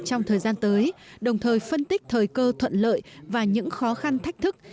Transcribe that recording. trong thời gian tới đồng thời phân tích thời cơ thuận lợi và những khó khăn thách thức